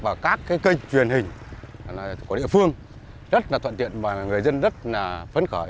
và các kênh truyền hình của địa phương rất là thuận tiện và người dân rất là phấn khởi